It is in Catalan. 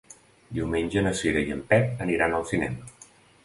Diumenge na Cira i en Pep aniran al cinema.